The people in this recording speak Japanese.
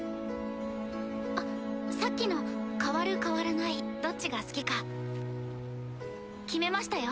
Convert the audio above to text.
あっさっきの変わる変わらないどっちが好きか決めましたよ。